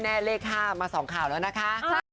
แน่เลข๕มาส่องข่าวแล้วนะคะ